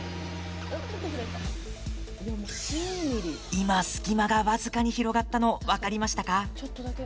今、隙間が僅かに広がったの分かりましたか？